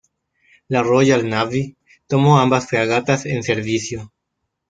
La Royal Navy tomó ambas fragatas en servicio.